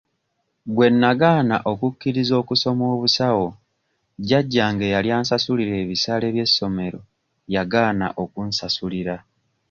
Bwe nagaana okukkiriza okusoma obusawo jjajjange eyali ansasulira ebisale by'essomero yagaana okunsasulira.